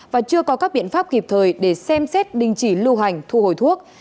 và chưa có các biện pháp kịp thời để xem xét đình chỉ lưu hành thu hồi thuốc